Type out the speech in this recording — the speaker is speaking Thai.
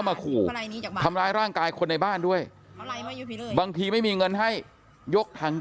มาขู่ทำร้ายร่างกายคนในบ้านด้วยบางทีไม่มีเงินให้ยกถัง